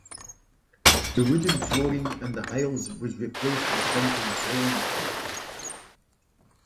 The wooden flooring in the aisles was replaced with Minton tiling.